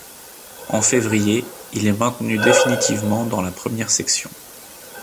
En février il est maintenu définitivement dans la première section.